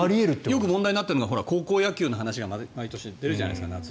よく問題になっているのが高校野球の話が毎年出るじゃないですか。